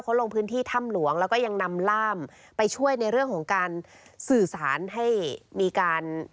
เขาลงพื้นที่ถ้ำหลวงแล้วก็ยังนำล่ามไปช่วยในเรื่องของการสื่อสารให้มีการ